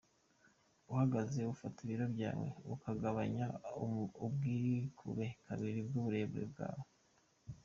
uhagaze : Ufata ibiro byawe ukagabanya ubwikube kabiri by’uburebure bwawe.